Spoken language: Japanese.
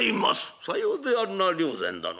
さようであるな良然殿」。